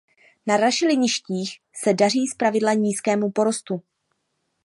Na rašeliništích se daří zpravidla nízkému porostu.